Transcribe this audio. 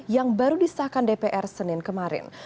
yang baru disahkan dpr senin kemarin